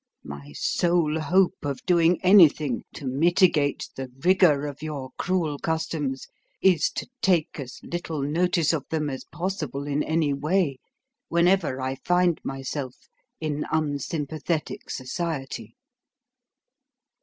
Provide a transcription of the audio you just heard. My sole hope of doing anything to mitigate the rigour of your cruel customs is to take as little notice of them as possible in any way whenever I find myself in unsympathetic society."